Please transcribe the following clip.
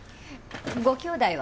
ご兄弟は？